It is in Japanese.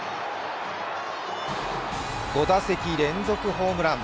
５打席連続ホームラン。